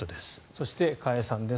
そして、加谷さんです。